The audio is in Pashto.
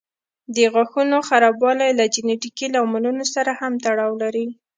د غاښونو خرابوالی له جینيټیکي لاملونو سره هم تړاو لري.